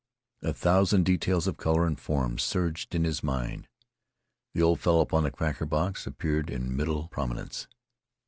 A thousand details of color and form surged in his mind. The old fellow upon the cracker box appeared in middle prominence.